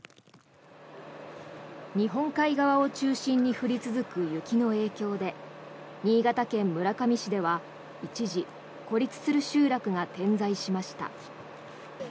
日本海側を中心に降り続く雪の影響で新潟県村上市では、一時孤立する集落が点在しました。